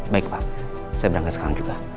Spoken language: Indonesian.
baik pak saya berangkat sekarang juga